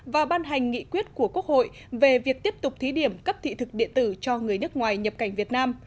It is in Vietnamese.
và ban hành nghị quyết của quốc hội về việc tiếp tục thí điểm cấp thị thực điện tử cho người nước ngoài nhập cảnh việt nam